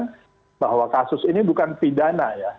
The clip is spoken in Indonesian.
tapi bahwa kasus ini bukan pidana ya